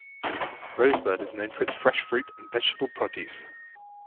Rosebud is known for its fresh fruit and vegetable produce.